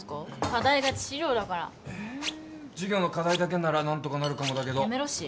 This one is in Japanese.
課題が致死量だから授業の課題だけなら何とかなるかもだけどやめろし